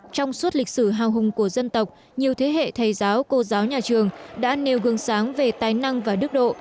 trong suốt lịch sử hào hùng của dân tộc nhiều thế hệ thầy giáo cô giáo nhà trường đã nêu gương sáng về tài năng và đức độ